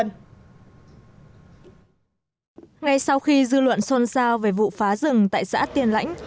ngay sau khi dư luận xôn xao về vụ phá rừng tại xã tiên lãnh